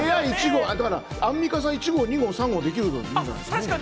アンミカさん１号・２号・３号ってできるんじゃないですか？